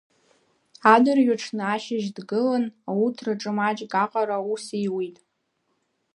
Адырҩаҽны ашьыжь дгылан, ауҭраҿы маҷк аҟара аус иуит.